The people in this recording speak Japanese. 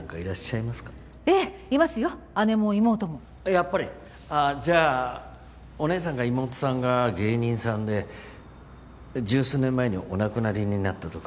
やっぱり！じゃあお姉さんか妹さんが芸人さんで十数年前にお亡くなりになったとか。